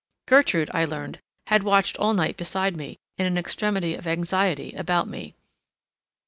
Gertrude, I learned, had watched all night beside me, in an extremity of anxiety about me.